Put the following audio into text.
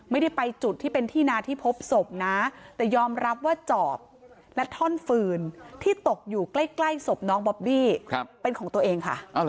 ไม่ได้ไปจุดที่เป็นที่นาที่พบศพนะแต่ยอมรับว่าจอบและท่อนฟืนที่ตกอยู่ใกล้ศพน้องบอบบี้เป็นของตัวเองค่ะ